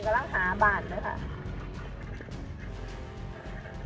กำลังหาบาทเลยค่ะ